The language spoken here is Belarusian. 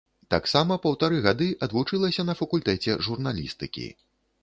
Таксама паўтары гады адвучылася на факультэце журналістыкі.